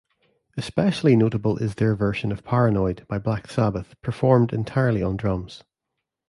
Especially notable is their version of "Paranoid" by Black Sabbath performed entirely on drums.